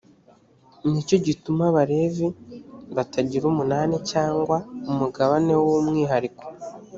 ni cyo gituma abalevi batagira umunani cyangwa umugabane w’umwihariko